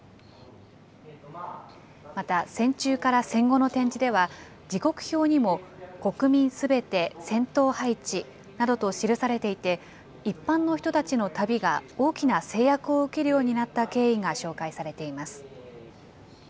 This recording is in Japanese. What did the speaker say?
また、戦中から戦後の展示では、時刻表にも、國民すべて戰鬪配置などと記されていて、一般の人たちの旅が、大きな制約を受けるようになった経緯が紹介されています。